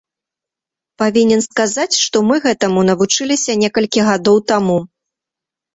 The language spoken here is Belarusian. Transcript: Павінен сказаць, што мы гэтаму навучыліся некалькі гадоў таму.